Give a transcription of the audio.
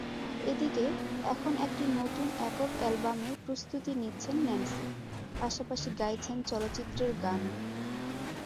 এদিকে, এখন একটি নতুন একক অ্যালবামের প্রস্তুতি নিচ্ছেন ন্যান্সি, পাশাপাশি গাইছেন চলচ্চিত্রের গানও।